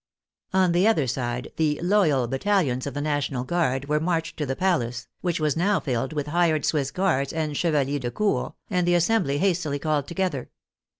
On the other side the " loyal " battalions of the National Guard were marched to the palace, which was now filled with hired Swiss Guards and Chevaliers de Cour, and the Assembly hastily called together.